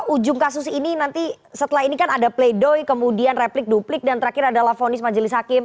ujung kasus ini nanti setelah ini kan ada play doh kemudian replik duplik dan terakhir ada lafonis majelis hakim